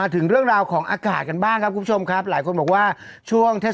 ต้องเมาต้องอะไรกันด้วยน่ะแบบนี้